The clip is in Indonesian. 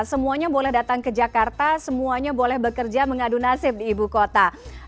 semuanya boleh datang ke jakarta semuanya boleh bekerja mengadu nasib di ibu kota